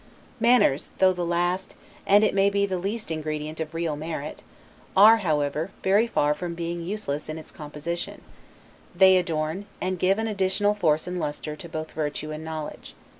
Manners, though the last, and it may be the least ingredient of real merit, are, however, very far from being useless in its composition; they adorn, and give an additional force and luster to both virtue and knowledge.